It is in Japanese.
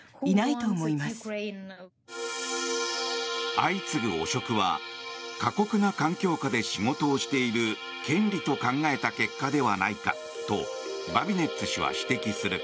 相次ぐ汚職は過酷な環境下で仕事をしている権利と考えた結果ではないかとバビネッツ氏は指摘する。